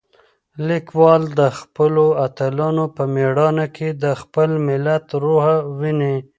لیکوال د خپلو اتلانو په مېړانه کې د خپل ملت روح وینه.